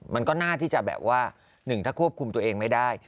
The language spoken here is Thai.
มันก็น่าที่จะแบบว่าหนึ่งถ้าควบคุมตัวเองไม่ได้